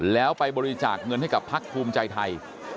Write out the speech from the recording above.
แล้วไปบริจาคเงินให้กับพักภูมิใจไทย